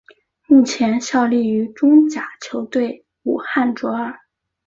目前效力于中甲球队武汉卓尔。